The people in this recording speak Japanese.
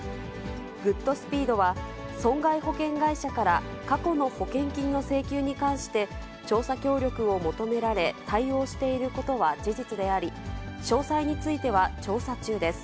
グッドスピードは、損害保険会社から過去の保険金の請求に関して調査協力を求められ、対応していることは事実であり、詳細については調査中です。